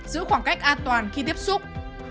giữ khoảng cách an toàn khi tiếp xúc